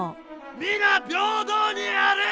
皆平等にある！